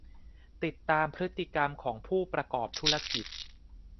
ติดตามพฤติกรรมของผู้ประกอบธุรกิจ